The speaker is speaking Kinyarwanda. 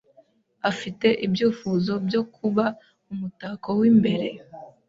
Afite ibyifuzo byo kuba umutako w'imbere.